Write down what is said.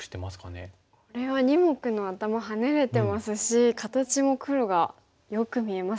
これは２目の頭ハネれてますし形も黒がよく見えますね。